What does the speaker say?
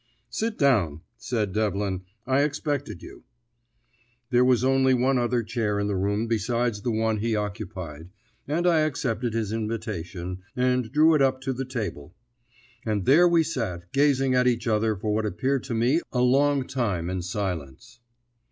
"Sit down," said Devlin, "I expected you." There was only one other chair in the room besides the one he occupied, and I accepted his invitation, and drew it up to the table. And there we sat gazing at each other for what appeared to me a long time in silence.